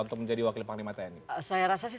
untuk menjadi wakil panglima tni saya rasa sih